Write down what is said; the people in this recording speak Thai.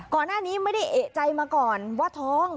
ก่อนหน้านี้ไม่ได้เอกใจมาก่อนว่าท้อง